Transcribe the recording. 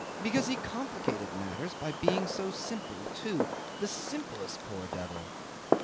Because he complicated matters by being so simple, too the simplest poor devil!